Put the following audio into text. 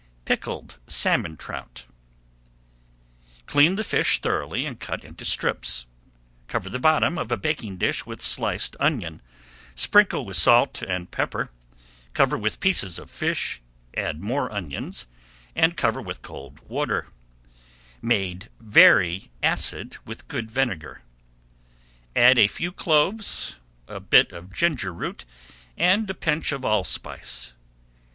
PICKLED SALMON TROUT Clean the fish thoroughly and cut into strips. Cover the bottom of a baking dish with sliced onion, sprinkle with salt and pepper, cover with pieces of fish, add more onions, and cover with cold water, made very acid with good vinegar. Add a few cloves, a bit of ginger root, and a pinch of allspice.